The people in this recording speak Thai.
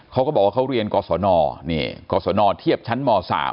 เขาก็บอกว่าเขาเรียนกศนนี่กศนเทียบชั้นม๓